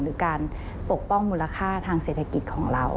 หรือการปกป้องมูลค่าทางเศรษฐกิจของเรา